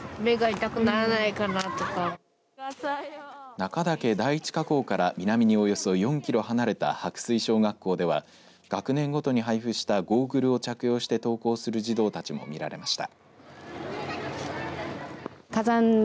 中岳第一火口から南におよそ４キロ離れた白水小学校では学年ごとに配付したゴーグルを着用して登校する児童たちも見られました。